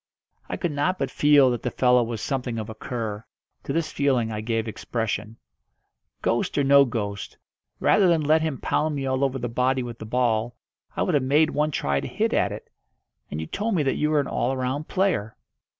I could not but feel that the fellow was something of a cur. To this feeling I gave expression. "Ghost or no ghost, rather than let him pound me all over the body with the ball, I would have made one try to hit at it. And you told me that you were an all round player."